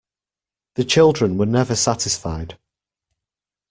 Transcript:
The children were never satisfied.